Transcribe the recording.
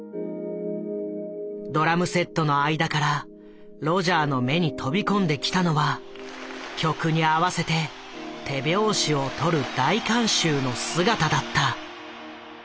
ドラムセットの間からロジャーの目に飛び込んできたのは曲に合わせて手拍子を取る大観衆の姿だった。